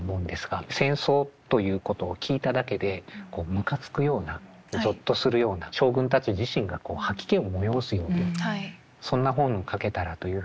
戦争ということを聞いただけでこうむかつくようなゾッとするような将軍たち自身がこう吐き気を催すようなそんな本を書けたらというふうに書いてらっしゃって。